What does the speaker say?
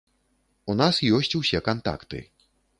У нас ёсць усе кантакты.